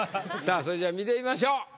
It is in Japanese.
さあそれじゃあ見てみましょう。